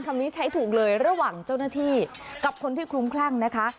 คำนี้ใช้ถูกเลยระหว่างเจ้าหน้าที่กับคนที่คลุ้มคลั่งนะคะ